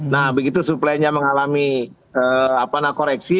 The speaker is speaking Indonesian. nah begitu suplainya mengalami koreksi